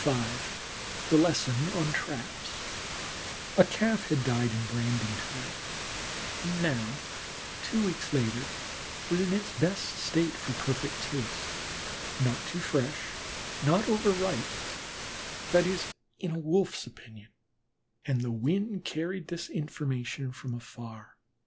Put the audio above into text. V THE LESSON ON TRAPS A Calf had died in branding time and now, two weeks later, was in its best state for perfect taste, not too fresh, not over ripe that is, in a Wolf's opinion and the wind carried this information afar.